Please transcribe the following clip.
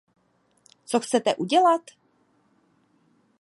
Co chcete udělat?